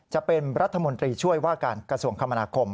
จะเป็นรัฐมนตรีช่วยว่าการกระทรวงคมนาคม